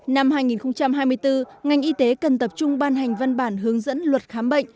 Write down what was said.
năm hai nghìn hai mươi bốn ngành y tế cần tập trung ban hành văn bản hướng dẫn luật khám bệnh